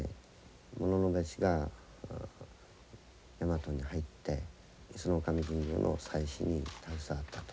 物部氏が大和に入って石上神社の祭祀に携わったと。